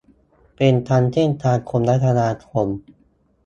เป็นทั้งเส้นทางคมนาคม